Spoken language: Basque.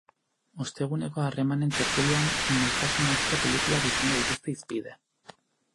Osteguneko harremanen tertulian maitasunezko pelikulak izango dituzte hizpide.